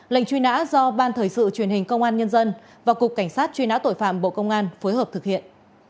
lệnh truy nã do ban thời sự truyền hình công an nhân dân và cục cảnh sát truy nã tội phạm bộ công an phối hợp thực hiện